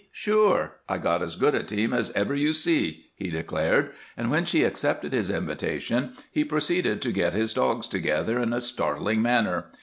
Sure! I got as good a team as ever you see," he declared, and when she accepted his invitation he proceeded to get his dogs together in a startling manner.